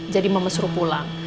jadi mama suruh pulang